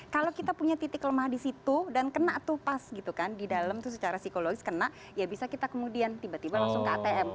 kalau kita punya titik lemah di situ dan kena tuh pas gitu kan di dalam itu secara psikologis kena ya bisa kita kemudian tiba tiba langsung ke atm